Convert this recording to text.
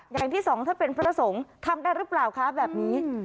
อย่างที่สองถ้าเป็นพระสงฆ์ทำได้หรือเปล่าคะแบบนี้